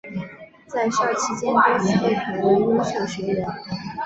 在校期间多次被评为优秀学员。